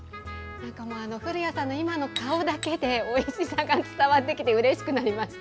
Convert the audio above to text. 古谷さんの今の顔だけでおいしさが伝わってきてうれしくなりました。